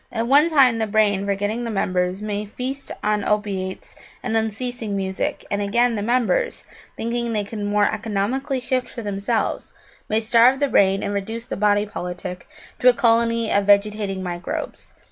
At one time the brain, forgetting the members, may feast on opiates and unceasing music; and again, the members, thinking they could more economically shift for themselves, may starve the brain and reduce the body politic to a colony of vegetating microbes.